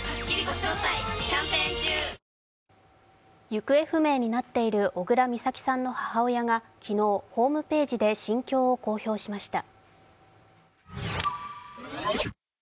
行方不明になっている小倉美咲さんの母親が昨日、ホームページで心境を公表しました。